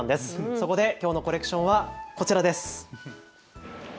そこできょうのコレクションはこちらです。